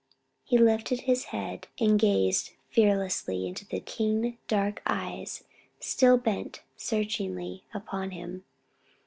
He lifted his head, and gazed fearlessly into the keen dark eyes still bent searchingly upon him.